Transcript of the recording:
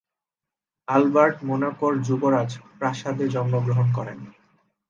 Albert মোনাকোর যুবরাজ প্রাসাদে জন্মগ্রহণ করেন।